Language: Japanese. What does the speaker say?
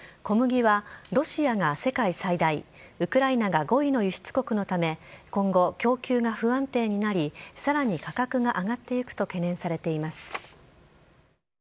小麦はロシアが世界最大、ウクライナが５位の輸出国のため、今後、供給が不安定になり、さらに価格が上がっていくと懸念されています。